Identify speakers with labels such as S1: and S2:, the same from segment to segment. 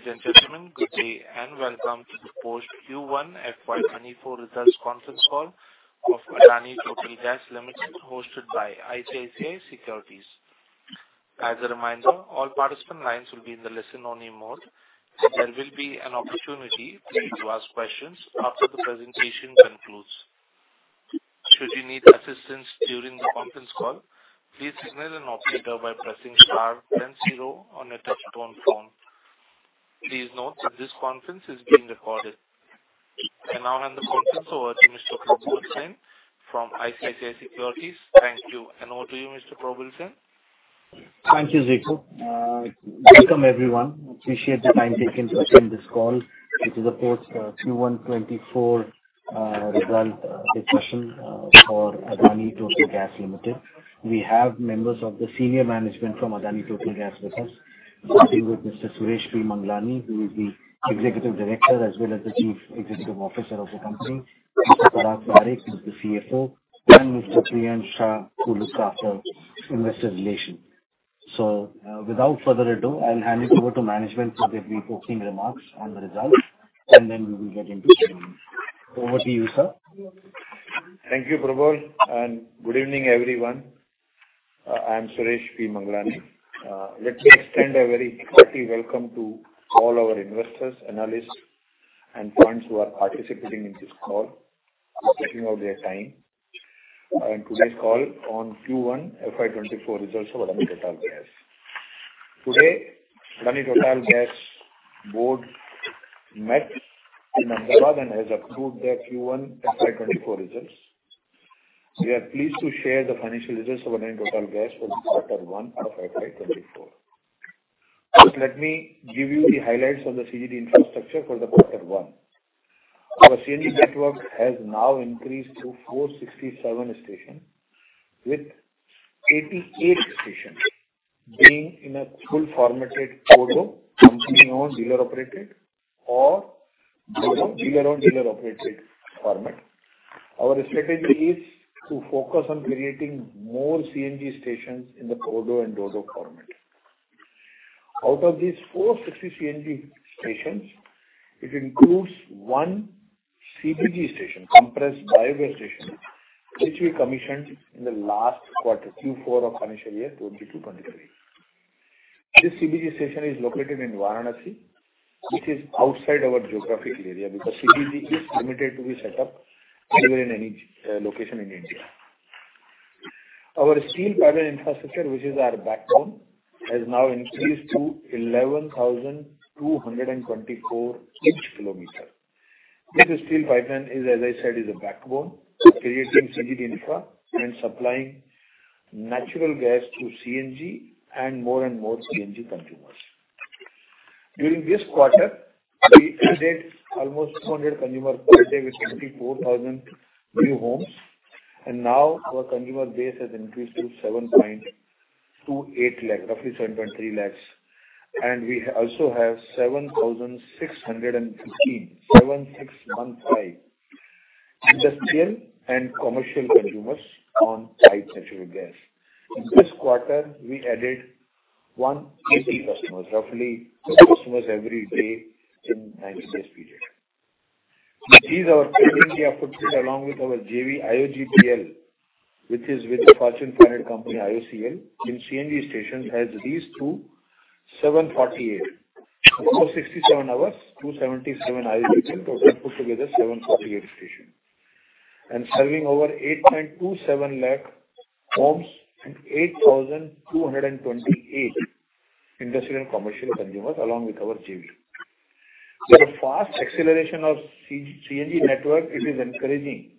S1: Ladies and gentlemen, good day, and welcome to the post Q1 FY24 results conference call of Adani Total Gas Limited, hosted by ICICI Securities. As a reminder, all participant lines will be in the listen-only mode. There will be an opportunity for you to ask questions after the presentation concludes. Should you need assistance during the conference call, please signal an operator by pressing star then zero on your touchtone phone. Please note that this conference is being recorded. I now hand the conference over to Mr. Probal Sen from ICICI Securities. Thank you. Over to you, Mr. Probal Sen.
S2: Thank you, Ziku. Welcome, everyone. Appreciate the time taken to attend this call, which is, of course, Q1 2024 result discussion for Adani Total Gas Limited. We have members of the senior management from Adani Total Gas with us, starting with Mr. Suresh P. Manglani, who is the Executive Director, as well as the Chief Executive Officer of the company, Mr. Parag Pankhaniya, who is the CFO, and Mr. Priyansh Shah, who looks after investor relations. Without further ado, I'll hand it over to management for their brief opening remarks on the results, and then we will get into Q&A. Over to you, sir.
S3: Thank you, Probal, good evening, everyone. I'm Suresh P. Manglani. Let me extend a very hearty welcome to all our investors, analysts, and clients who are participating in this call, taking out their time, and today's call on Q1 FY24 results for Adani Total Gas. Today, Adani Total Gas board met in Ahmedabad and has approved the Q1 FY24 results. We are pleased to share the financial results of Adani Total Gas for the quarter one of FY24. Let me give you the highlights of the CGD infrastructure for the quarter one. Our CNG network has now increased to 467 stations, with 88 stations being in a full formatted ODO, company-owned, dealer-operated, or DODO, dealer-owned, dealer-operated format. Our strategy is to focus on creating more CNG stations in the ODO and DODO format. Out of these 460 CNG stations, it includes 1 CBG station, Compressed Biogas station, which we commissioned in the last quarter, Q4 of financial year 22-23. This CBG station is located in Varanasi, which is outside our geographical area, because CBG is permitted to be set up anywhere in any location in India. Our steel pipeline infrastructure, which is our backbone, has now increased to 11,224 km. This steel pipeline is, as I said, is a backbone to creating CGD infra and supplying natural gas to CNG and more and more CNG consumers. During this quarter, we added almost 200 consumers per day, with 74,000 new homes, and now our consumer base has increased to 7.28 lakh, roughly 7.3 lakhs. We also have 7,615, 7,615, industrial and commercial consumers on Piped Natural Gas. In this quarter, we added 1 CNI customers, roughly customers every day in 9 months period. This is our facility outputs, along with our JV, IOGPL, which is with the Fortune Standard Company, IOCL, in CNG stations, has increased to 748. 467 ours, 277 IOCL. Total put together, 748 stations. Serving over 8.27 lakh homes and 8,228 industrial and commercial consumers, along with our JV. With a fast acceleration of CNG network, it is encouraging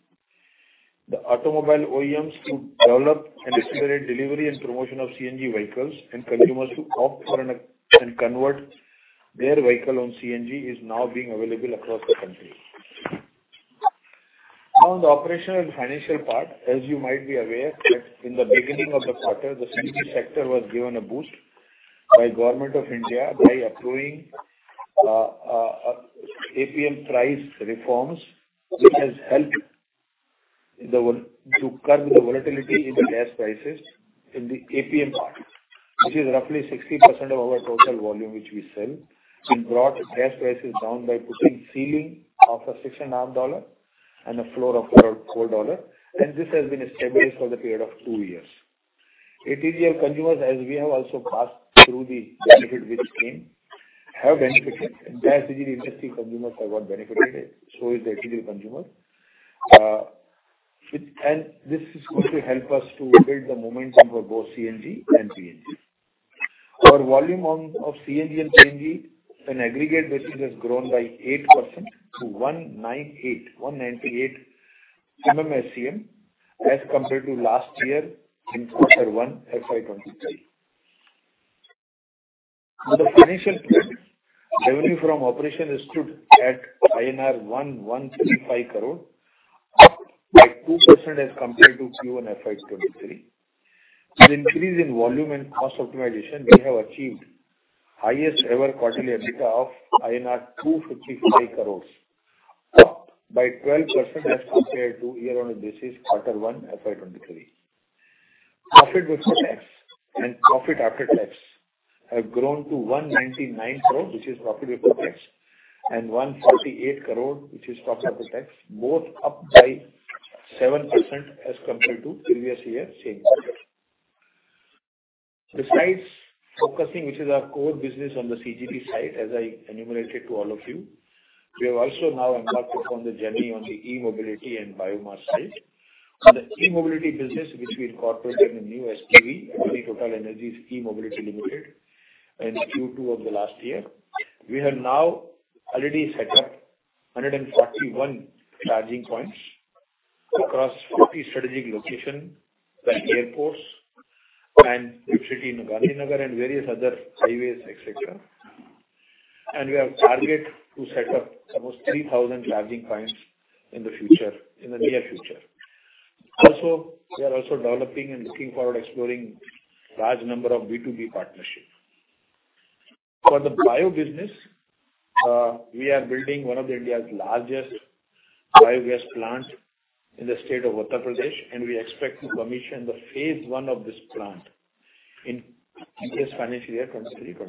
S3: the automobile OEMs to develop and accelerate delivery and promotion of CNG vehicles, and consumers to opt for and convert their vehicle on CNG is now being available across the country. On the operational and financial part, as you might be aware, that in the beginning of the quarter, the CNG sector was given a boost by government of India by approving APM price reforms, which has helped to curb the volatility in the gas prices in the APM part, which is roughly 60% of our total volume, which we sell and brought gas prices down by putting ceiling of a fixed $9 and a floor of $4. This has been established for the period of 2 years. ATGL consumers, as we have also passed through the benefit, which came, have benefited, and gas CGD industrial consumers have got benefited, so is the ATGL consumer. It, and this is going to help us to build the momentum for both CNG and CNG. Our volume of CNG and CNG on aggregate basis has grown by 8% to 198.198 MMSCM, as compared to last year in Q1 FY23. On the financial front, revenue from operation is stood at INR 1,135 lakh crore, up by 2% as compared to Q1 FY23. With increase in volume and cost optimization, we have achieved highest ever quarterly EBITDA of INR 255 lakh crore, up by 12% as compared to year on a basis, quarter one, FY23. Profit before tax and profit after tax have grown to 199 lakh crore, which is profit before tax, and 148 lakh crore, which is profit after tax, both up by 7% as compared to previous year, same quarter. Besides focusing, which is our core business on the CGD side, as I enumerated to all of you, we have also now embarked upon the journey on the e-mobility and biomass side. On the e-mobility business, which we incorporated in the new SPV, Adani TotalEnergies E-Mobility Limited, in Q2 of the last year. We have now already set up 141 charging points across 40 strategic locations, like airports and city, Gandhinagar, and various other highways, et cetera. We have target to set up almost 3,000 charging points in the future, in the near future. Also, we are also developing and looking forward exploring large number of B2B partnerships. For the bio business, we are building one of the India's largest biogas plant in the state of Uttar Pradesh, and we expect to commission the phase one of this plant in this financial year, 23-24.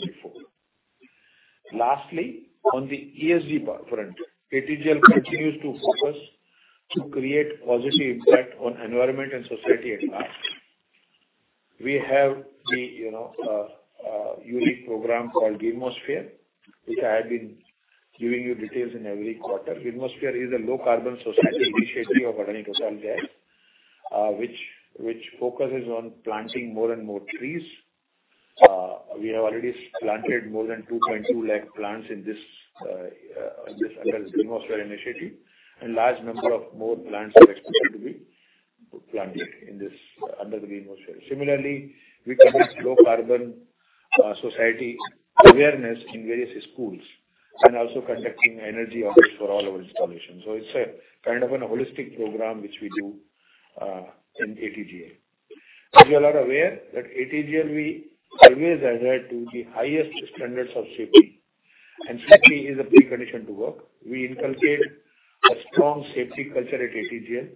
S3: Lastly, on the ESG front, ATGL continues to focus to create positive impact on environment and society at large. We have the, you know, unique program called Greenmosphere, which I have been giving you details in every quarter. Greenmosphere is a low carbon society initiative of Adani Total Gas, which focuses on planting more and more trees. We have already planted more than 2.2 lakh plants in this under Greenmosphere initiative. Large number of more plants are expected to be planted in this under the Greenmosphere. Similarly, we conduct low carbon society awareness in various schools and also conducting energy audits for all our installations. It's a kind of an holistic program which we do in ATGL. As you all are aware, that ATGL, we always adhere to the highest standards of safety. Safety is a pre-condition to work. We inculcate a strong safety culture at ATGL,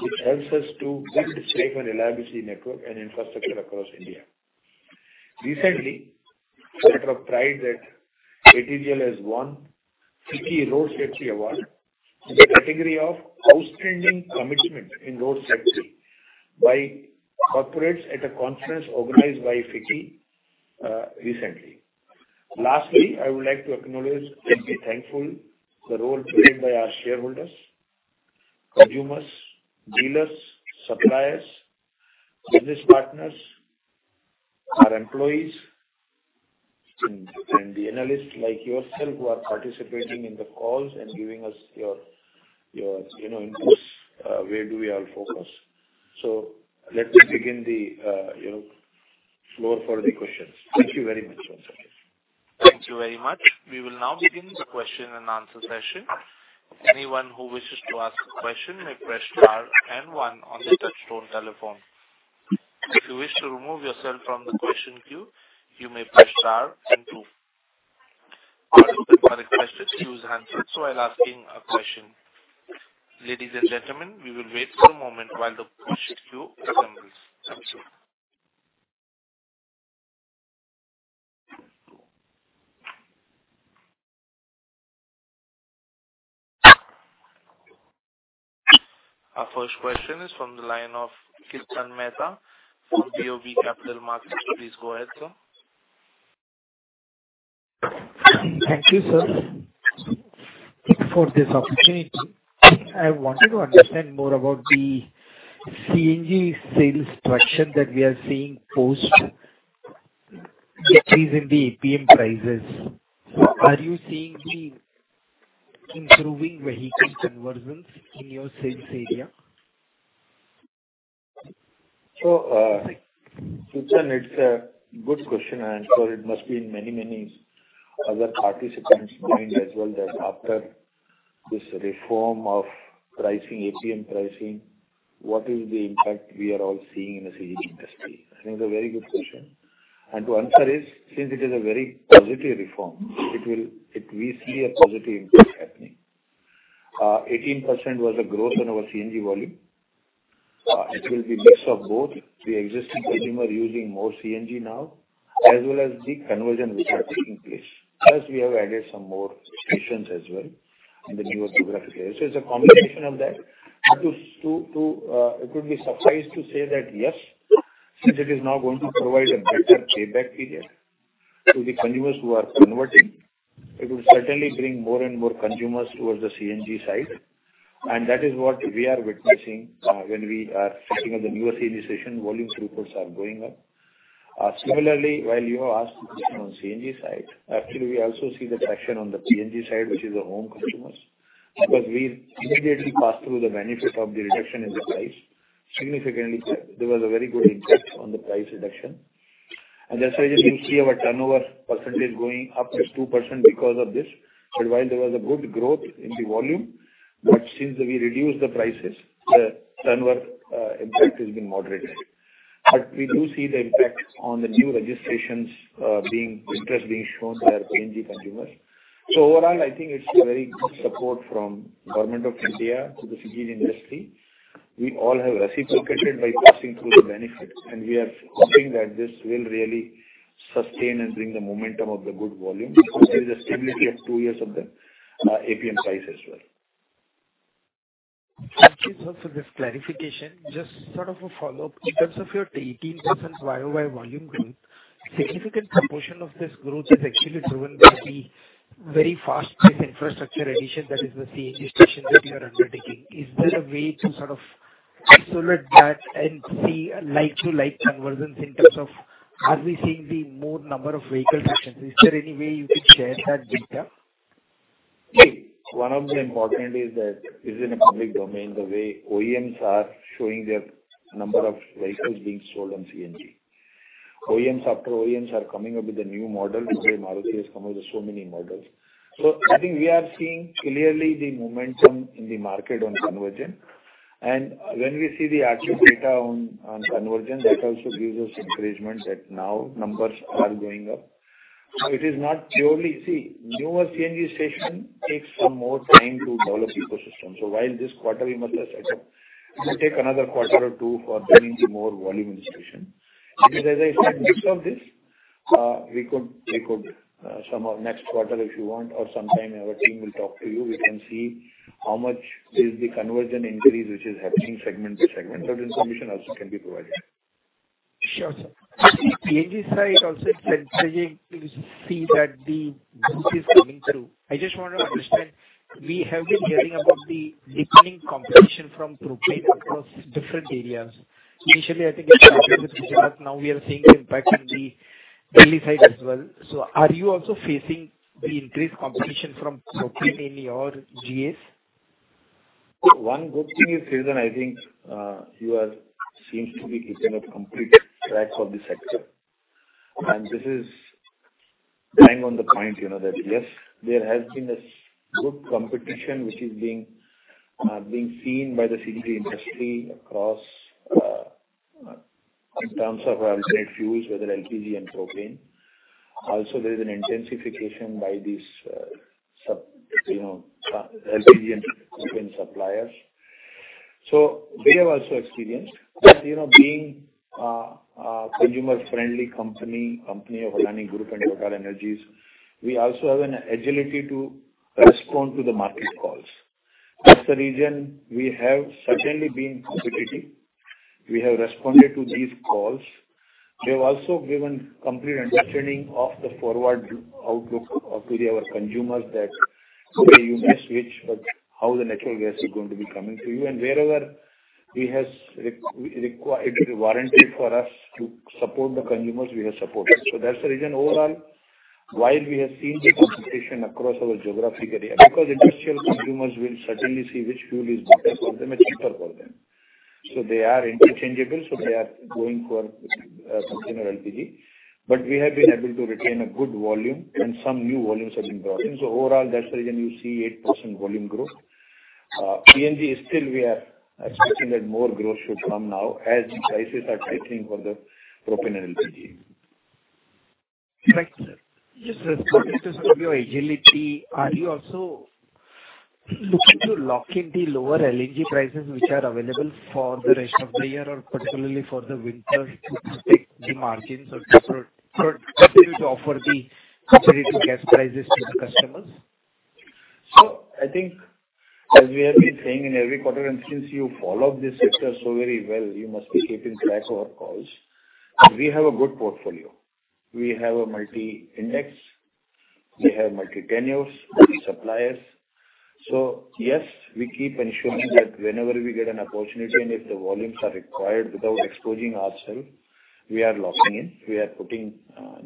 S3: which helps us to build safe and reliability network and infrastructure across India. Recently, matter of pride that ATGL has won FICCI Road Safety Award in the category of outstanding commitment in road safety by corporates at a conference organized by FICCI recently. Lastly, I would like to acknowledge and be thankful the role played by our shareholders, consumers, dealers, suppliers, business partners, our employees, and, and the analysts like yourself who are participating in the calls and giving us your, your, you know, inputs, where do we all focus. Let me begin the, you know, floor for the questions. Thank you very much once again.
S1: Thank you very much. We will now begin the question and answer session. Anyone who wishes to ask a question may press star 1 on the touch-tone telephone. If you wish to remove yourself from the question queue, you may press star 2. Open the requested queue is answered, so while asking a question. Ladies and gentlemen, we will wait for a moment while the question queue assembles. Thank you. Our first question is from the line of Kirtan Mehta from BOB Capital Markets. Please go ahead, sir.
S4: Thank you, sir, for this opportunity. I wanted to understand more about the CNG sales traction that we are seeing post the increase in the APM prices. Are you seeing the improving vehicle conversions in your sales area?
S3: Kirtan, it's a good question, and so it must be in many, many other participants' mind as well, that after this reform of pricing, APM pricing, what is the impact we are all seeing in the CNG industry? I think it's a very good question. To answer is, since it is a very positive reform, it we see a positive impact happening. 18% was a growth in our CNG volume. It will be mix of both the existing consumer using more CNG now, as well as the conversion which are taking place, plus we have added some more stations as well in the new geographic area. It's a combination of that. It would be suffice to say that, yes, since it is now going to provide a better payback period to the consumers who are converting, it will certainly bring more and more consumers towards the CNG side, and that is what we are witnessing when we are setting up the new CNG station, volume throughputs are going up. Similarly, while you have asked the question on CNG side, actually, we also see the traction on the PNG side, which is the home customers, because we immediately passed through the benefit of the reduction in the price. Significantly, there was a very good impact on the price reduction. That's why you see our turnover percentage going up by 2% because of this. While there was a good growth in the volume, but since we reduced the prices, the turnover, impact has been moderated. We do see the impact on the new registrations, interest being shown by our PNG consumers. Overall, I think it's a very good support from Government of India to the CNG industry. We all have reciprocated by passing through the benefits, and we are hoping that this will really sustain and bring the momentum of the good volume. There is a stability of two years of the APM price as well.
S4: Thank you, sir, for this clarification. Just sort of a follow-up. In terms of your 18% year-over-year volume growth, significant proportion of this growth is actually driven by the very fast pace infrastructure addition, that is, the CNG stations that you are undertaking. Is there a way to sort of isolate that and see a like-to-like convergence in terms of, are we seeing the more number of vehicle sessions? Is there any way you could share that data?
S3: One of the important is that it's in a public domain, the way OEMs are showing their number of vehicles being sold on CNG. OEMs after OEMs are coming up with a new model, the way Maruti has come up with so many models. I think we are seeing clearly the momentum in the market on conversion. When we see the RTO data on, on conversion, that also gives us encouragement that now numbers are going up. It is not purely... See, newer CNG station takes some more time to develop ecosystem. While this quarter we must have set up, it will take another quarter or two for that into more volume installation. Because as I said, most of this, we could, we could, some of next quarter, if you want, or sometime our team will talk to you. We can see how much is the conversion increase, which is happening segment to segment. That information also can be provided.
S4: Sure, sir. On the PNG side, also, it's encouraging to see that the group is coming through. I just want to understand, we have been hearing about the deepening competition from propane across different areas. Initially, I think it started with Gujarat. Now we are seeing impact in the Delhi side as well. Are you also facing the increased competition from propane in your GAs?
S3: One good thing is, Kirtan, I think, you are, seems to be keeping a complete track of the sector, and this is bang on the point, you know, that yes, there has been a good competition, which is being seen by the CGD industry across, in terms of alternate fuels, whether LPG and propane. Also, there is an intensification by these, sub, you know, LPG and propane suppliers. We have also experienced that, you know, being, a consumer-friendly company, company of Adani Group and Adani TotalEnergies E-Mobility Limited, we also have an agility to respond to the market calls. That's the reason we have certainly been competing. We have responded to these calls. We have also given complete understanding of the forward outlook of, to our consumers that you may switch, but how the natural gas is going to be coming to you. Wherever we has required a warranty for us to support the consumers, we have supported. That's the reason, overall, why we have seen the competition across our geographic area, because industrial consumers will certainly see which fuel is better for them and cheaper for them. They are interchangeable, so they are going for consumer LPG. We have been able to retain a good volume, and some new volumes have been brought in. Overall, that's the reason you see 8% volume growth. PNG is still, we are expecting that more growth should come now as prices are tightening for the propane and LPG.
S4: Right, sir. Just with regards to some of your agility, are you also looking to lock in the lower LNG prices which are available for the rest of the year, or particularly for the winter, to take the margins or to continue to offer the subsidy to gas prices to the customers?
S3: I think as we have been saying in every quarter, and since you follow this sector so very well, you must be keeping track of our calls. We have a good portfolio. We have a multi-index, we have multi-tenures, multi-suppliers. Yes, we keep ensuring that whenever we get an opportunity and if the volumes are required without exposing ourselves, we are locking in, we are putting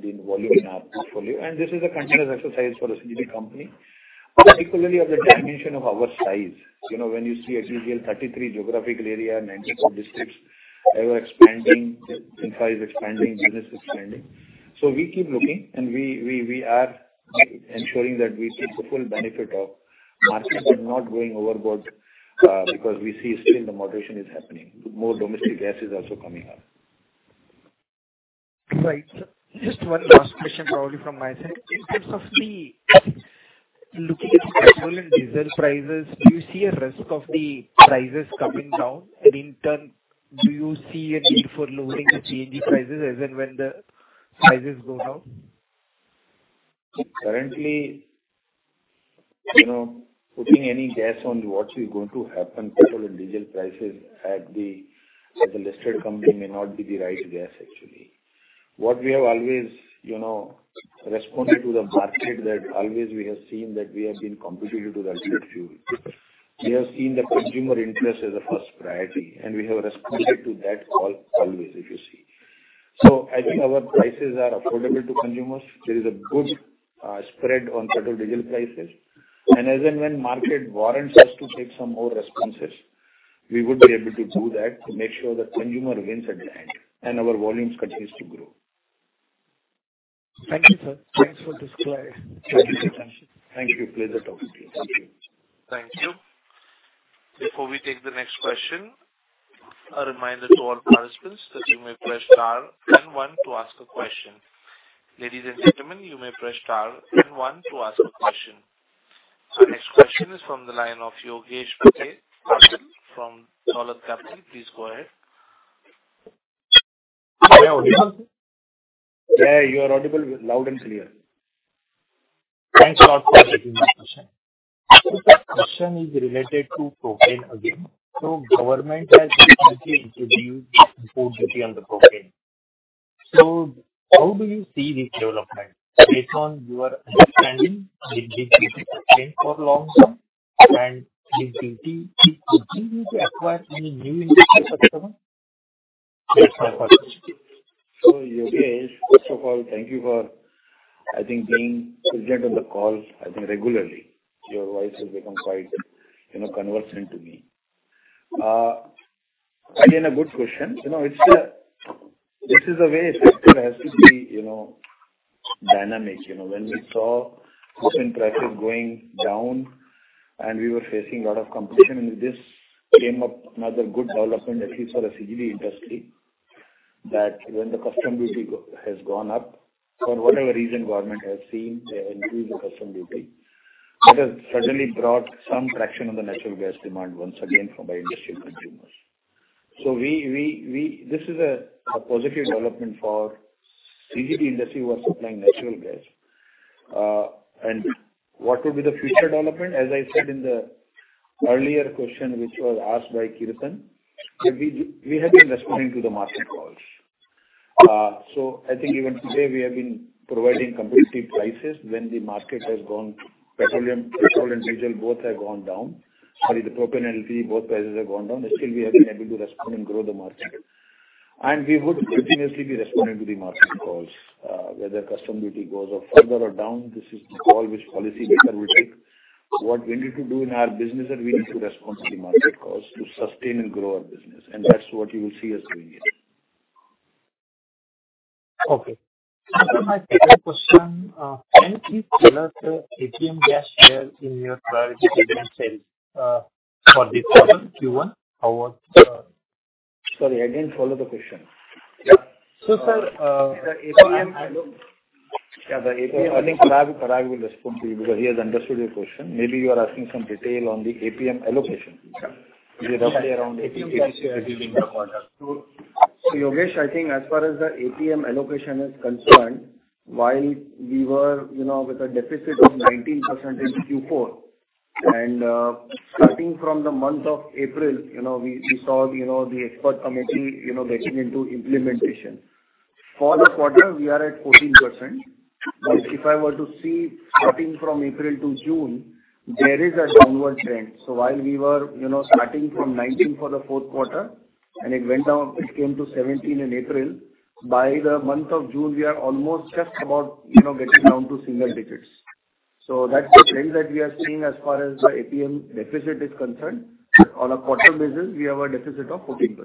S3: the volume in our portfolio, and this is a continuous exercise for a CGD company. Equally of the dimension of our size, you know, when you see ATGL, 33 geographical area, 94 districts, ever expanding, in size expanding, business expanding. We keep looking, and we are ensuring that we take the full benefit of market, but not going overboard, because we see still the moderation is happening. More domestic gas is also coming up.
S4: Right. Just one last question, probably, from my side. In terms of looking at petrol and diesel prices, do you see a risk of the prices coming down? And in turn, do you see a need for lowering the CNG prices as and when the prices go down?
S3: Currently, you know, putting any guess on what is going to happen, petrol and diesel prices at the, as a listed company may not be the right guess, actually. What we have always, you know, responded to the market, that always we have seen that we have been competitive to the alternate fuel. We have seen the consumer interest as a first priority, and we have responded to that call always, if you see. So I think our prices are affordable to consumers. There is a good spread on petrol, diesel prices. As and when market warrants us to take some more responses, we would be able to do that to make sure that consumer wins at the end and our volumes continues to grow.
S4: Thank you, sir. Thanks for this clear-
S3: Thank you. Thank you for the talk. Thank you.
S1: Thank you. Before we take the next question, a reminder to all participants that you may press star and one to ask a question. Ladies and gentlemen, you may press star and one to ask a question. Next question is from the line of Yogesh Patil from Dolat Capital. Please go ahead. Am I audible?
S3: Yeah, you are audible, loud and clear. Thanks a lot for taking my question. The question is related to propane again. Government has recently introduced import duty on the propane. How do you see this development based on your understanding, will this duty sustain for long term, and this duty, could you need to acquire any new industrial customer? That's my first question.
S5: Yogesh, first of all, thank you for, I think, being present on the call, I think, regularly. Your voice has become quite, you know, conversant to me. Again, a good question. You know, this is a way sector has to be, you know, dynamic. You know, when we saw propane prices going down and we were facing a lot of competition, and this came up another good development, at least for the CGD industry, that when the custom duty has gone up, for whatever reason, government has seen increase the custom duty. That has suddenly brought some traction on the natural gas demand once again from by industrial consumers. This is a, a positive development for CGD industry who are supplying natural gas. What will be the future development?
S3: As I said in the earlier question, which was asked by, that we, we have been responding to the market calls. I think even today, we have been providing competitive prices when the market has gone, petroleum, petrol and diesel, both have gone down. Sorry, the propane, LPG, both prices have gone down, and still we have been able to respond and grow the market. We would continuously be responding to the market calls, whether custom duty goes up further or down, this is the call which policy maker will take. What we need to do in our business is, we need to respond to the market calls to sustain and grow our business, and that's what you will see us doing it. Okay. After my second question, can you please tell us the APM gas share in your priority segment sales, for this quarter, Q1? Sorry, again, follow the question. Yeah. sir, the APM- Yeah, the APM, I think, Praveen, Praveen will respond to you because he has understood your question. Maybe you are asking some detail on the APM allocation. Yeah. Is it roughly around APM? Yogesh, I think as far as the APM allocation is concerned, while we were, you know, with a deficit of 19% in Q4, and starting from the month of April, you know, we, we saw, you know, the expert committee, you know, getting into implementation. For this quarter, we are at 14%. If I were to see starting from April to June, there is a downward trend. While we were, you know, starting from 19th for the fourth quarter, and it went down, it came to April17th, by the month of June, we are almost just about, you know, getting down to single digits. That's the trend that we are seeing as far as the APM deficit is concerned. On a quarter basis points, we have a deficit of 14%.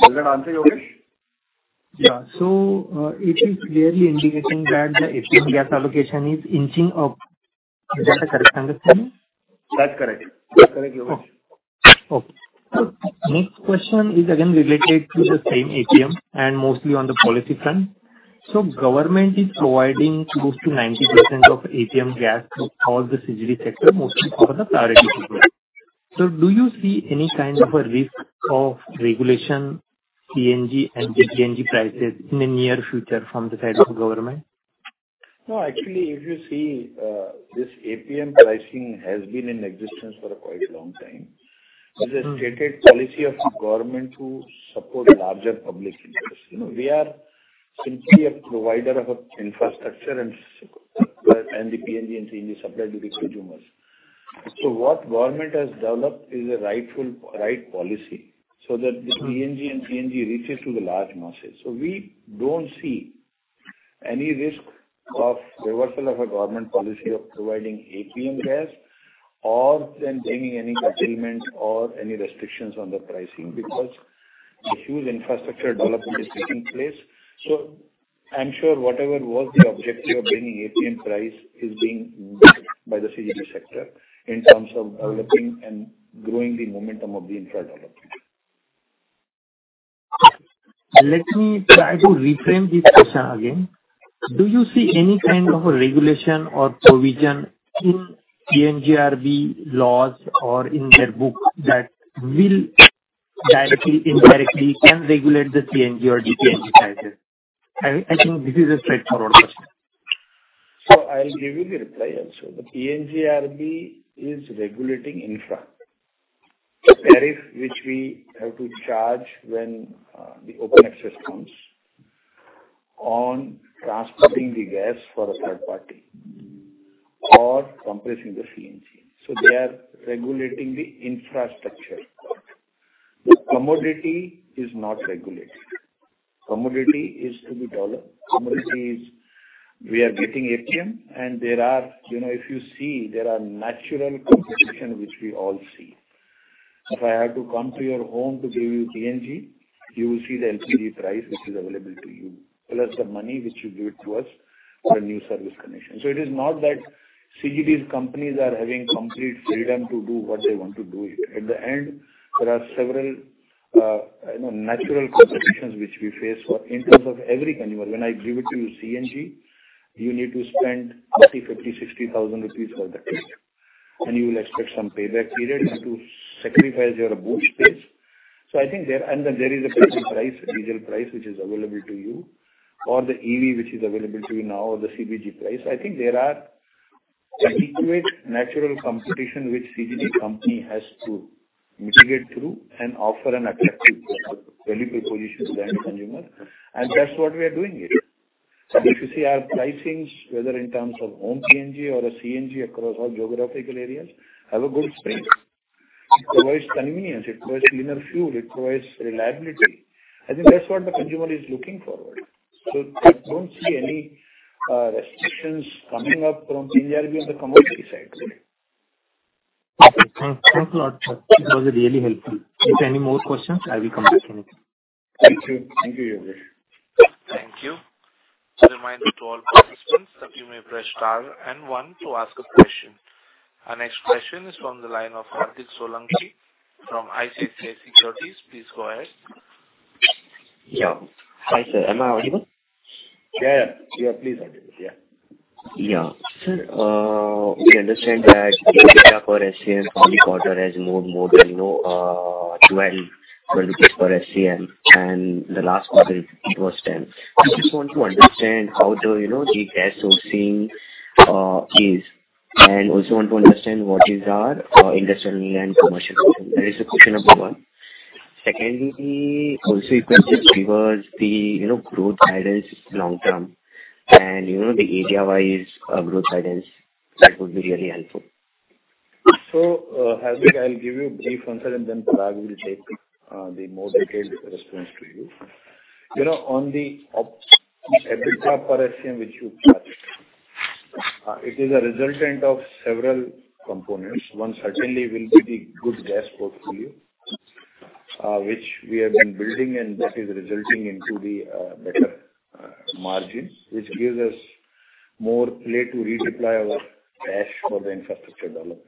S3: Does that answer, Yogesh? Yeah. It is clearly indicating that the APM gas allocation is inching up. Is that a correct understanding? That's correct. That's correct, Yogesh. Okay. Next question is again related to the same APM and mostly on the policy front. Government is providing close to 90% of APM gas to all the CGD sector, mostly for the priority people. Do you see any kind of a risk of regulation, CNG and PNG prices in the near future from the side of the government? No, actually, if you see, this APM pricing has been in existence for quite a long time. Mm-hmm. It's a stated policy of the government to support larger public interest. You know, we are simply a provider of a infrastructure and the PNG and CNG supply to the consumers. What government has developed is a rightful, right policy, so that the PNG and CNG reaches to the large masses. We don't see any risk of reversal of a government policy of providing APM gas or then bringing any curtailment or any restrictions on the pricing, because a huge infrastructure development is taking place. I'm sure whatever was the objective of bringing APM price is being met by the CGD sector in terms of developing and growing the momentum of the infra development. Let me try to reframe this question again. Do you see any kind of a regulation or provision in PNGRB laws or in their books that will directly, indirectly, can regulate the PNG or DPNG prices? I think this is a straightforward question. I'll give you the reply also. The PNGRB is regulating infra. The tariff, which we have to charge when the open access comes on transporting the gas for a third party or compressing the CNG. They are regulating the infrastructure. The commodity is not regulated. Commodity is. We are getting APM, and there are, you know, if you see, there are natural competition, which we all see. If I have to come to your home to give you PNG, you will see the LPG price, which is available to you, plus the money which you give it to us for a new service connection. It is not that CGD's companies are having complete freedom to do what they want to do here. At the end, there are several. you know, natural competitions which we face for in terms of every consumer. When I give it to you CNG, you need to spend 30,000 lakh-50,000 lakh-INR 60,000 lakh for that, and you will expect some payback period, and to sacrifice your boot space. I think and then there is a petrol price, diesel price, which is available to you, or the EV, which is available to you now, or the CNG price. I think there are adequate natural competition which CGD company has to mitigate through and offer an attractive value proposition to the end consumer, and that's what we are doing it. If you see our pricings, whether in terms of home PNG or a CNG across all geographical areas, have a good spread. It provides convenience, it provides cleaner fuel, it provides reliability. I think that's what the consumer is looking forward. I don't see any restrictions coming up from CNG on the commercial side. Okay, thanks. Thanks a lot. It was really helpful. If any more questions, I will come back to you. Thank you. Thank you, Yogesh.
S1: Thank you. Just a reminder to all participants that you may press star and one to ask a question. Our next question is from the line of Hardik Soni from ICICI Securities. Please go ahead.
S6: Yeah. Hi, sir. Am I audible?
S3: Yeah. Yeah, please, Hardik. Yeah.
S6: Yeah. Sir, we understand that data per SCM quarter has moved more than, you know, 12 lakh per SCM, and the last quarter it was 10 lakh. I just want to understand how the, you know, the gas sourcing is, and also want to understand what is our industrial and commercial position. That is the question number 1. Secondly, also if you could just give us the, you know, growth guidance long-term, and, you know, the area-wise growth guidance, that would be really helpful.
S3: Hardik, I'll give you a brief answer, and then Parag will take the more detailed response to you. You know, on the EBITDA per SCM, which you.... It is a resultant of several components. One certainly will be the good gas portfolio, which we have been building, and that is resulting into the better margins, which gives us more play to redeploy our cash for the infrastructure development.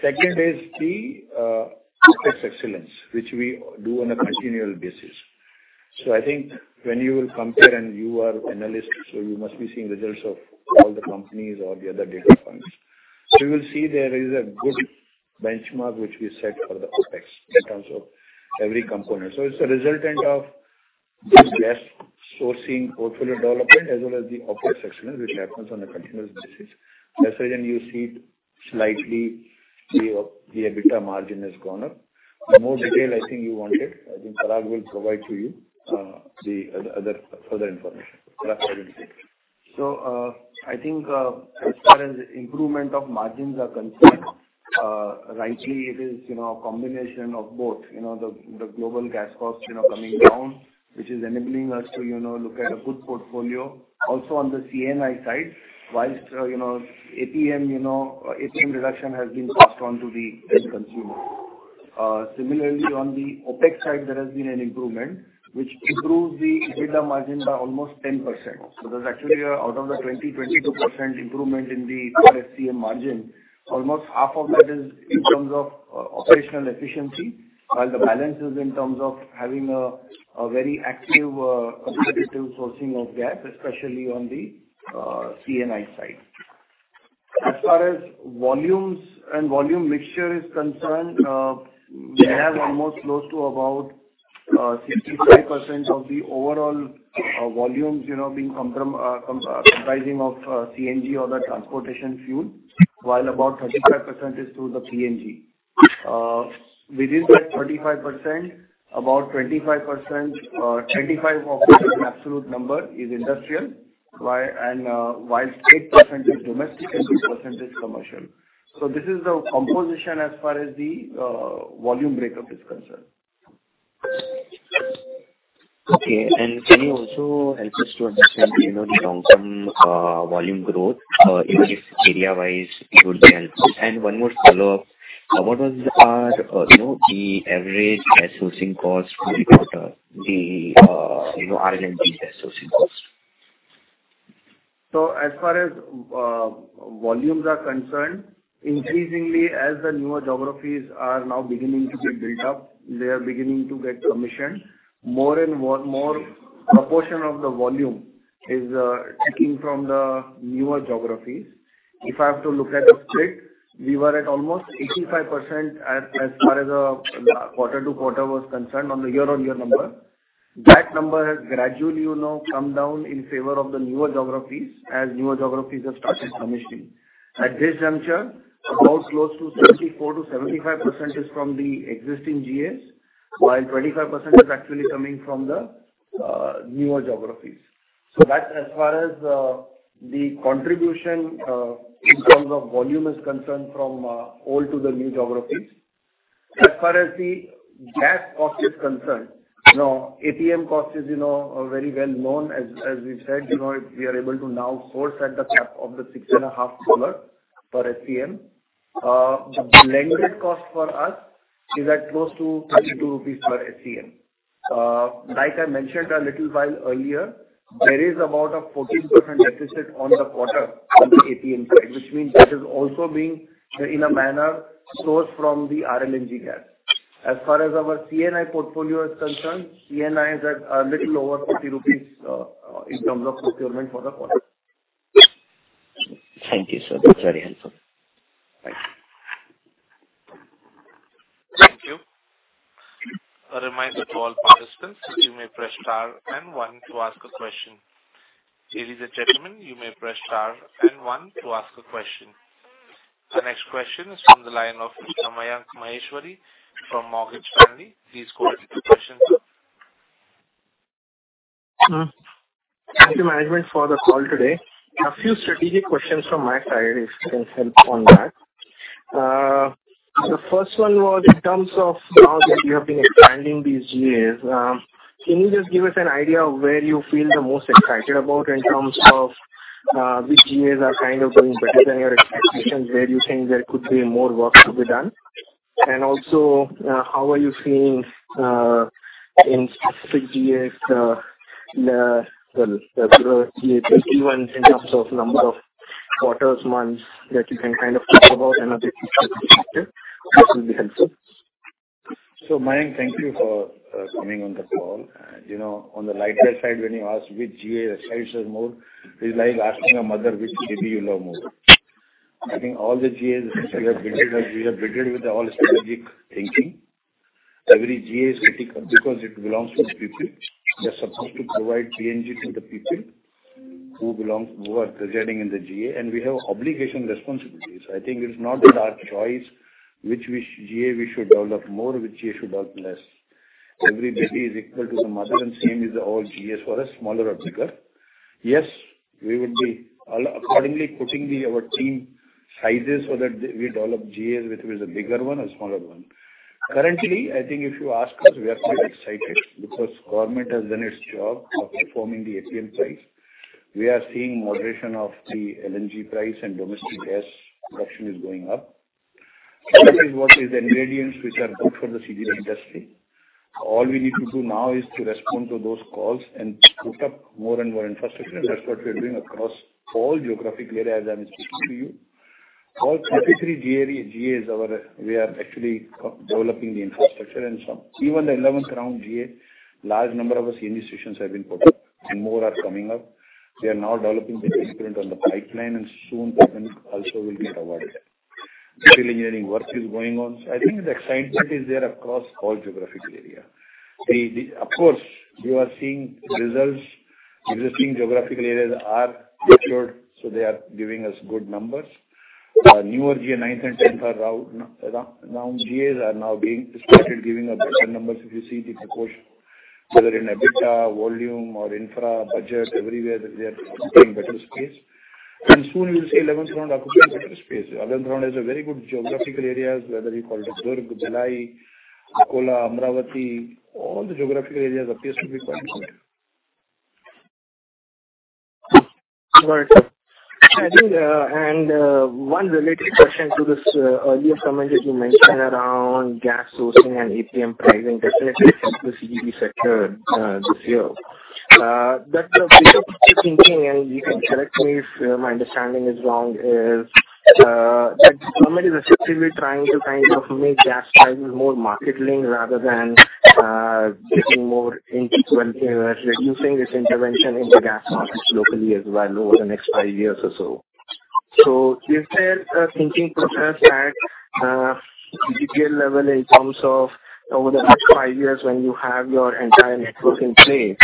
S3: Second is the OpEx excellence, which we do on a continual basis. I think when you will compare, and you are analysts, so you must be seeing results of all the companies or the other data points. You will see there is a good benchmark which we set for the OpEx in terms of every component. It's a resultant of good gas sourcing, portfolio development, as well as the OpEx excellence, which happens on a continuous basis. That's why then you see it slightly, the, the EBITDA margin has gone up. More detail I think you wanted, I think Probal will provide to you, the other, other, further information. Probal, over to you.
S2: I think, as far as improvement of margins are concerned, rightly, it is, you know, a combination of both, you know, the, the global gas costs, you know, coming down, which is enabling us to, you know, look at a good portfolio. Also on the CNI side, whilst, you know, APM, you know, APM reduction has been passed on to the end consumer. Similarly, on the OpEx side, there has been an improvement, which improves the EBITDA margin by almost 10%. There's actually, out of the 20%-22% improvement in the SCM margin, almost half of that is in terms of operational efficiency, while the balance is in terms of having a, a very active, competitive sourcing of gap, especially on the CNI side. As far as volumes and volume mixture is concerned, we have almost close to about 65% of the overall volumes, you know, being comprising of CNG or the transportation fuel, while about 35% is through the PNG. Within that 35%, about 25%, 25 of absolute number is industrial, while 8% is domestic and 2% is commercial. So this is the composition as far as the volume breakup is concerned.
S6: Okay. Can you also help us to understand, you know, the long-term volume growth, even if area-wise, it would be helpful. One more follow-up. What was our, you know, the average gas sourcing cost for the quarter, the, you know, RMP gas sourcing cost?
S2: As far as volumes are concerned, increasingly, as the newer geographies are now beginning to get built up, they are beginning to get commissioned. More and more, more proportion of the volume is taking from the newer geographies. If I have to look at the split, we were at almost 85% as far as the quarter-over-quarter was concerned on the year-over-year number. That number has gradually, you know, come down in favor of the newer geographies as newer geographies have started commissioning. At this juncture, about close to 74%-75% is from the existing GAs, while 25% is actually coming from the newer geographies. That's as far as the contribution in terms of volume is concerned from old to the new geographies. As far as the gas cost is concerned, you know, APM cost is, you know, very well known. As we've said, you know, we are able to now source at the cap of $6.5 per SCM. The blended cost for us is at close to 32 lakh rupees per SCM.... like I mentioned a little while earlier, there is about a 14% deficit on the quarter on the APM side, which means that is also being, in a manner, sourced from the RLNG gap. As far as our CNI portfolio is concerned, CNI is at a little over 40 rupees lakhin terms of procurement for the quarter.
S6: Thank you, sir. That's very helpful. Bye.
S1: Thank you. A reminder to all participants, you may press star and one to ask a question. There is a gentleman, you may press star and one to ask a question. The next question is from the line of Samyak Maheshwari from Morgan Stanley. Please go ahead with your question, sir.
S7: Thank you, management, for the call today. A few strategic questions from my side, if you can help on that. The first one was in terms of now that you have been expanding these GAs, can you just give us an idea of where you feel the most excited about in terms of which GAs are kind of doing better than your expectations, where you think there could be more work to be done? Also, how are you feeling in specific GAs, well, even in terms of number of quarters, months, that you can kind of talk about and update us, that will be helpful.
S3: Samyak, thank you for coming on the call. You know, on the lighter side, when you ask which GA excites us more, it's like asking a mother which baby you love more. I think all the GAs we have built, we have built with the all strategic thinking. Every GA is critical because it belongs to the people. They're supposed to provide CNG to the people who belong, who are residing in the GA, and we have obligation, responsibilities. I think it is not our choice, which GA we should develop more, which GA should develop less. Every baby is equal to the mother, and same is all GAs for us, smaller or bigger. Yes, we would be accordingly putting the, our team sizes so that we develop GAs, whether it's a bigger one or smaller one. Currently, I think if you ask us, we are still excited because government has done its job of reforming the APM price. We are seeing moderation of the LNG price and domestic gas production is going up. All these work is ingredients which are good for the CGD industry. All we need to do now is to respond to those calls and put up more and more infrastructure, and that's what we are doing across all geographic area, as I'm speaking to you. All 33 GA, GAs are our... We are actually co-developing the infrastructure, so even the 11th round GA, large number of our CNG stations have been put up and more are coming up. We are now developing the footprint on the pipeline, and soon that also will get awarded. Civil engineering work is going on. I think the excitement is there across all Geographical Area. Of course, you are seeing results. You are seeing Geographical Areas are matured, they are giving us good numbers. Newer GA, 9th and 10th round GAs are now being started, giving us better numbers. If you see the proportion, whether in EBITDA, volume, or infra budget, everywhere, they are getting better space. Soon you'll see 11th round occupant better space. 11th round is a very good Geographical Areas, whether you call it Nagpur, Delhi, Akola, Amravati, all the Geographical Areas appears to be quite good.
S7: Got it. I think, and one related question to this earlier comment that you mentioned around gas sourcing and APM pricing definitely help the CGD sector this year. The way of thinking, and you can correct me if my understanding is wrong, is that government is effectively trying to kind of make gas pricing more market-linked, rather than getting more into, well, reducing its intervention in the gas markets locally as well over the next 5 years or so. Is there a thinking process at GPL level in terms of over the next 5 years, when you have your entire network in place,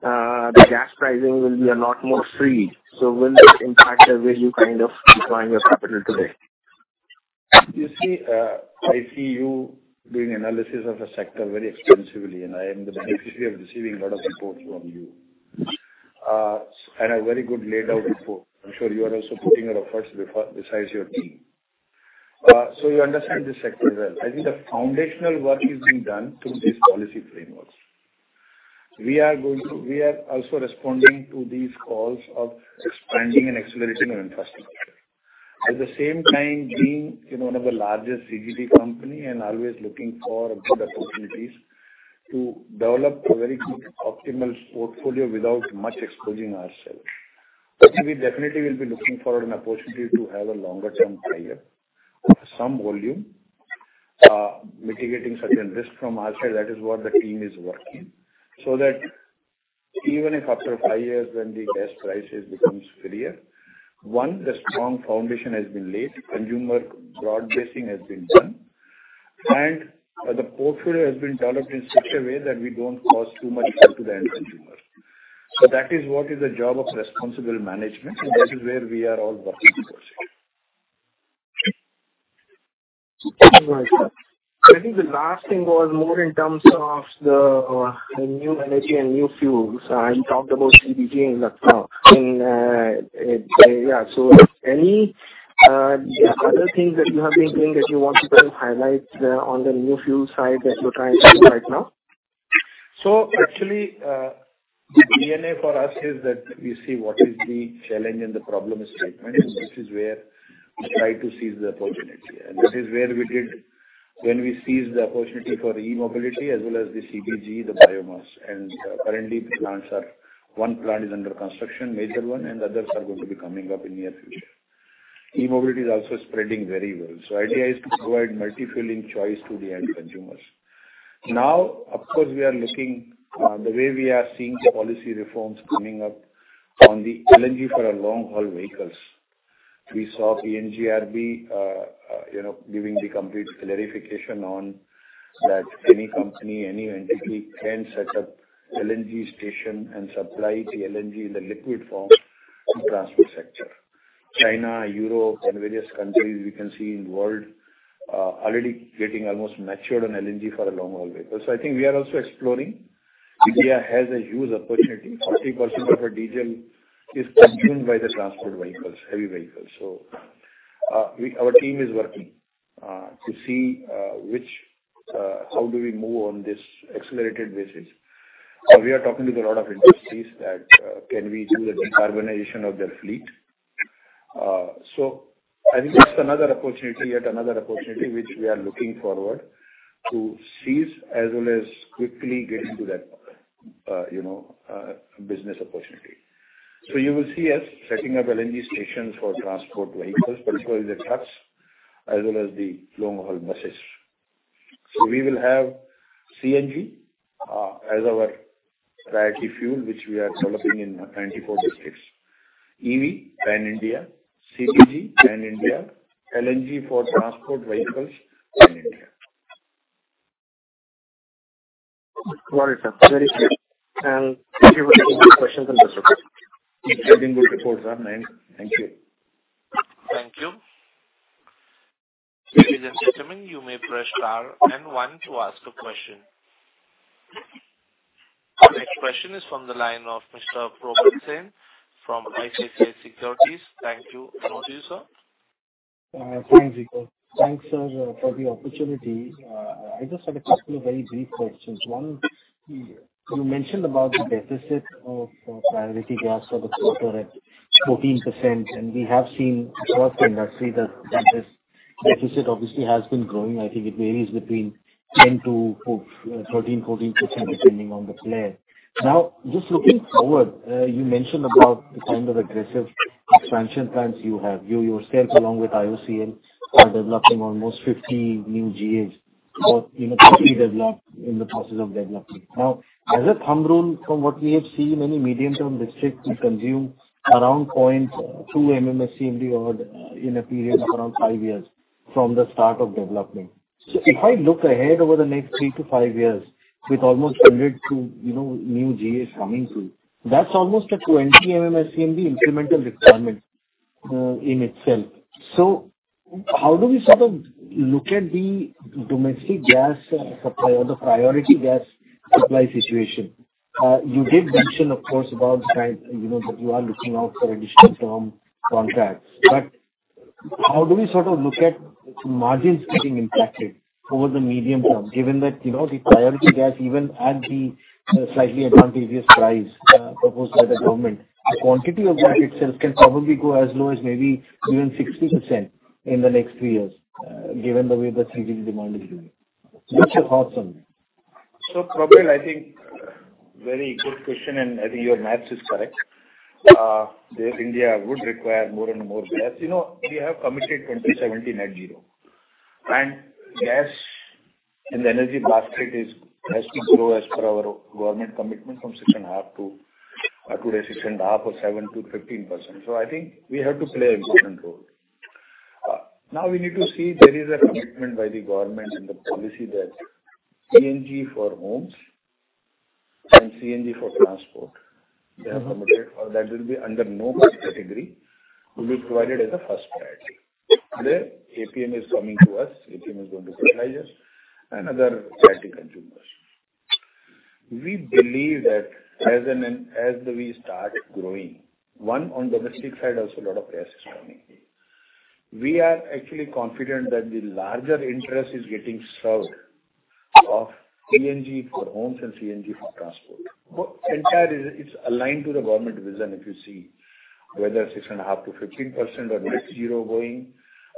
S7: the gas pricing will be a lot more free, so will it impact the way you kind of deploy your capital today?
S3: You see, I see you doing analysis of a sector very extensively, and I am the beneficiary of receiving a lot of reports from you. A very good laid out report. I'm sure you are also putting your efforts besides your team. You understand this sector well. I think the foundational work is being done through these policy frameworks. We are also responding to these calls of expanding and accelerating our infrastructure. At the same time, being, you know, one of the largest CGD company and always looking for good opportunities to develop a very good optimal portfolio without much exposing ourselves. We definitely will be looking for an opportunity to have a longer term player, some volume, mitigating certain risk from our side. That is what the team is working, so that even if after five years, when the gas prices becomes clearer, one, the strong foundation has been laid, consumer broad-basing has been done, and the portfolio has been developed in such a way that we don't cause too much harm to the end consumer. That is what is the job of responsible management, so that is where we are all working towards it.
S7: I think the last thing was more in terms of the, the new energy and new fuels. You talked about CGD in that, in, yeah. So any other things that you have been doing that you want to kind of highlight on the new fuel side that you're trying right now?
S3: Actually, the DNA for us is that we see what is the challenge and the problem statement, and this is where we try to seize the opportunity. This is where we did when we seized the opportunity for e-mobility as well as the CBG, the biomass. Currently, the plants are, one plant is under construction, major one, and others are going to be coming up in near future. E-mobility is also spreading very well, so idea is to provide multi-fueling choice to the end consumers. Now, of course, we are looking, the way we are seeing the policy reforms coming up on the LNG for our long-haul vehicles. We saw PNGRB, you know, giving the complete clarification on that any company, any entity, can set up LNG station and supply the LNG in the liquid form to transport sector. China, Europe, and various countries we can see in world, already getting almost matured on LNG for long-haul vehicles. I think we are also exploring. India has a huge opportunity. 40% of our diesel is consumed by the transport vehicles, heavy vehicles. Our team is working to see which, how do we move on this accelerated basis. We are talking to a lot of industries that can we do the decarbonization of their fleet? I think that's another opportunity, yet another opportunity, which we are looking forward to seize as well as quickly get into that, you know, business opportunity. You will see us setting up LNG stations for transport vehicles, particularly the trucks, as well as the long-haul buses. we will have CNG as our priority fuel, which we are developing in 94 districts. EV, pan-India, CBG, pan-India, LNG for transport vehicles, pan-India.
S7: Got it, sir. Very clear. Thank you very much for the questions and answers.
S3: Thank you. Good report, sir, and thank you.
S1: Thank you. Ladies and gentlemen, you may press star and one to ask a question. The next question is from the line of Mr. Praveen from ICICI Securities. Thank you. Over to you, sir.
S8: Thanks, Ziku. Thanks, sir, for the opportunity. I just have a couple of very brief questions. One, you mentioned about the deficit of priority gas for the quarter at 14%, and we have seen across the industry that this deficit obviously has been growing. I think it varies between 10%-13%-14%, depending on the player. Just looking forward, you mentioned about the kind of aggressive expansion plans you have. You yourself, along with IOCL, are developing almost 50 new GAs or in the developed, in the process of developing. As a thumb rule, from what we have seen, any medium-term district will consume around 0.2 MMSCMD or in a period of around 5 years from the start of development. If I look ahead over the next 3 to 5 years, with almost 100 to, you know, new GAs coming through, that's almost a 20 MMSCMD incremental requirement in itself. How do we sort of look at the domestic gas supply or the priority gas supply situation? You did mention, of course, about trying, you know, that you are looking out for additional term contracts, but how do we sort of look at margins getting impacted over the medium term, given that, you know, the priority gas, even at the slightly advantageous price proposed by the government, the quantity of that itself can probably go as low as maybe even 60% in the next 3 years, given the way the CGD demand is doing. What's your thoughts on that?
S3: Praveen, I think very good question, and I think your math is correct. Where India would require more and more gas. You know, we have committed 2070 net zero, and gas in the energy basket has to grow as per our government commitment from 6.5% to today, 6.5% or 7%-15%. I think we have to play an important role. Now we need to see there is a commitment by the government in the policy that CNG for homes and CNG for transport, they have committed, for that will be under no category, will be provided as a first priority. The APM is coming to us. APM is going to commercialize us and other priority consumers. We believe that as an... As we start growing, one, on domestic side, also, a lot of gas is coming in. We are actually confident that the larger interest is getting served of CNG for homes and CNG for transport. Entire is, it's aligned to the government vision, if you see, whether 6.5-15% or net zero going,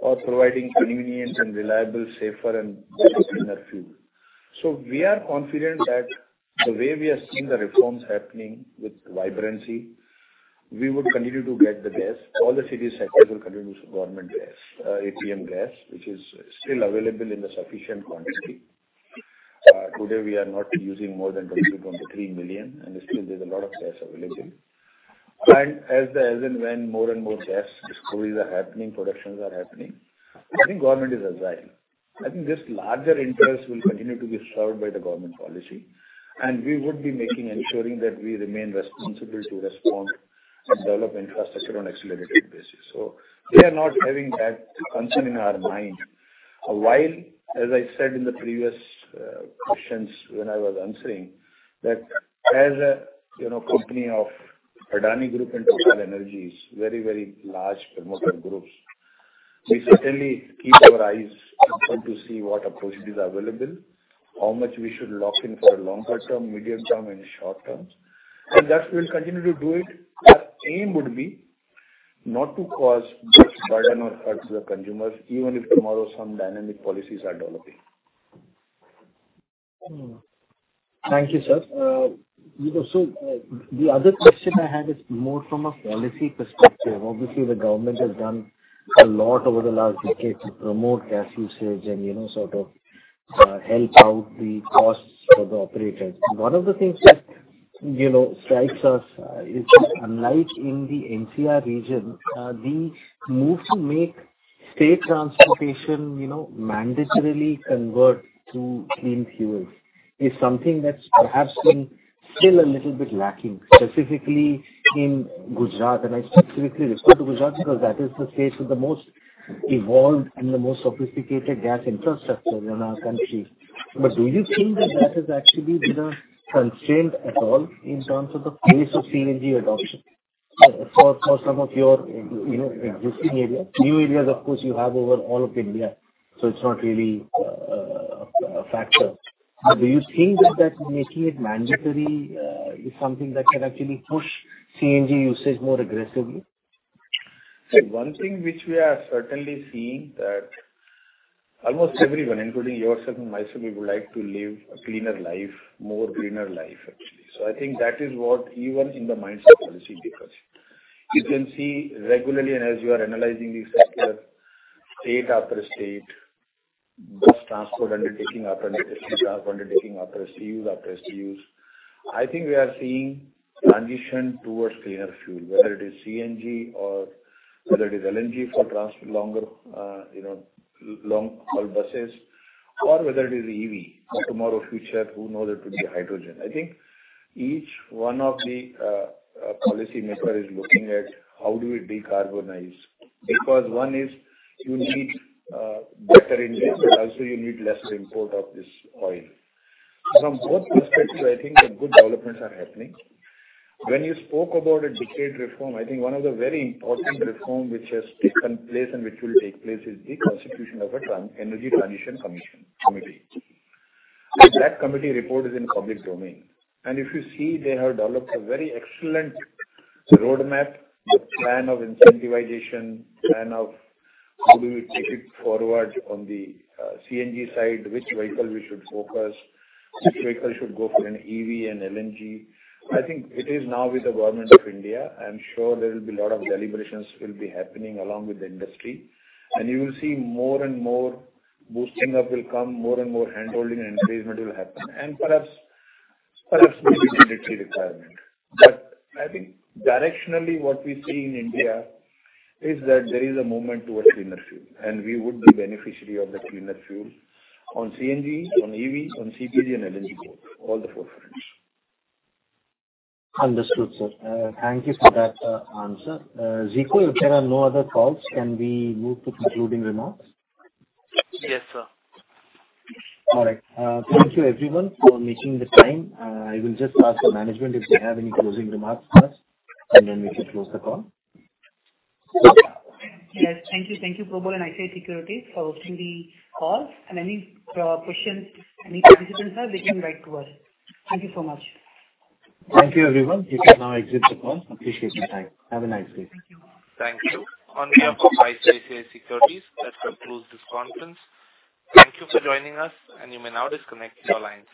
S3: or providing convenient and reliable, safer and cleaner fuel. We are confident that the way we are seeing the reforms happening with vibrancy, we would continue to get the gas. All the city sectors will continue to government gas, APM gas, which is still available in the sufficient quantity. Today, we are not using more than 20.3 million, and still there's a lot of gas available. As the- as and when more and more gas discoveries are happening, productions are happening, I think government is advising. I think this larger interest will continue to be served by the government policy, and we would be making, ensuring that we remain responsible to respond and develop infrastructure on accelerated basis. We are not having that concern in our mind. A while, as I said in the previous questions when I was answering, that as a, you know, company of Adani Group and Adani TotalEnergies E-Mobility Limited, very, very large promoting groups. That we'll continue to do it. Our aim would be not to cause this burden or hurt to the consumers, even if tomorrow some dynamic policies are developing.
S8: Thank you, sir. The other question I had is more from a policy perspective. Obviously, the government has done a lot over the last decade to promote gas usage and, you know, sort of, help out the costs for the operators. One of the things that, you know, strikes us is that unlike in the NCR region, the move to make state transportation, you know, mandatorily convert to clean fuels is something that's perhaps been still a little bit lacking, specifically in Gujarat. I specifically refer to Gujarat because that is the state with the most evolved and the most sophisticated gas infrastructure in our country. Do you think that that has actually been a constraint at all in terms of the pace of CNG adoption for, for some of your, you know, existing areas? New areas, of course, you have over all of India, so it's not really a factor. Do you think that, that making it mandatory, is something that can actually push CNG usage more aggressively?
S3: One thing which we are certainly seeing, that almost everyone, including yourself and myself, we would like to live a cleaner life, more cleaner life, actually. I think that is what even in the mindset policy differs. You can see regularly, and as you are analyzing the sector, state after state, bus transport undertaking after undertaking after STUs after STUs. I think we are seeing transition towards cleaner fuel, whether it is CNG or whether it is LNG for transport longer, you know, long haul buses, or whether it is EV or tomorrow, future, who knows, it could be hydrogen. I think each one of the policy maker is looking at how do we decarbonize? One is you need better engine, but also you need lesser import of this oil. From both perspectives, I think the good developments are happening. When you spoke about a decade reform, I think one of the very important reform which has taken place and which will take place is the constitution of a Energy Transition Committee. That committee report is in public domain, and if you see, they have developed a very excellent roadmap, the plan of incentivization, plan of how do we take it forward on the CNG side, which vehicle we should focus, which vehicle should go for an EV and LNG. I think it is now with the Government of India. I'm sure there will be a lot of deliberations will be happening along with the industry, you will see more and more boosting up will come, more and more handholding and engagement will happen, and perhaps, perhaps maybe mandatory requirement. I think directionally what we see in India is that there is a movement towards cleaner fuel, and we would be beneficiary of the cleaner fuel on CNG, on EV, on CBG and LNG, all the four fronts.
S8: Understood, sir.
S3: Thank you for that answer. Ziko, if there are no other calls, can we move to concluding remarks?
S1: Yes, sir.
S2: All right. Thank you everyone for making the time. I will just ask the management if they have any closing remarks first, and then we can close the call.
S3: Yes, thank you. Thank you, Probal and ICICI Securities, for hosting the call. Any questions any participants have, they can write to us. Thank you so much.
S2: Thank you, everyone. You can now exit the call. Appreciate your time. Have a nice day.
S1: Thank you. On behalf of ICICI Securities, that concludes this conference. Thank you for joining us, and you may now disconnect your lines.